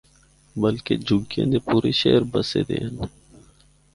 بلکہ جُھگیاں دے پورے شہر بَسّے دے ہن۔